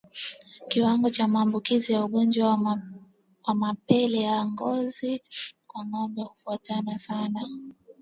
Kiwango cha maambukizi ya ugonjwa wa mapele ya ngozi kwa ngombe hutofautiana sana